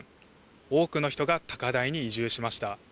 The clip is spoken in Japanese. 多くの人が高台に移住しました。